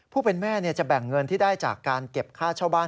ผู้เป็นแม่จะแบ่งเงินที่ได้จากการเก็บค่าเช่าบ้าน